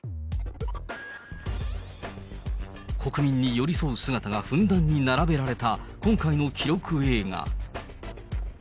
国民に寄り添う姿がふんだんに並べられた、今回の記録映画。